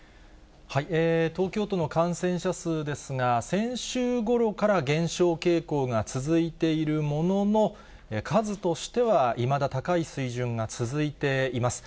東京都の感染者数ですが、先週ごろから減少傾向が続いているものの、数としてはいまだ高い水準が続いています。